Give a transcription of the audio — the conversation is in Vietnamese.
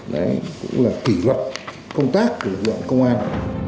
đây cũng là kỷ luật công tác của dự án công an